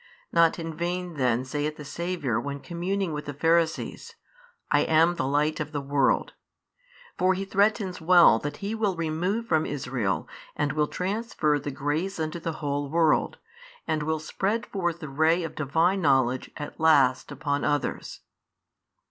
Not in vain then saith the Saviour when communing with the Pharisees, I am the Light of the world, for He threatens well that He will remove from Israel and will transfer the grace unto the whole world, and will spread forth the ray of Divine knowledge at last upon others.